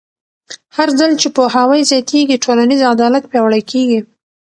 هرځل چې پوهاوی زیاتېږي، ټولنیز عدالت پیاوړی کېږي.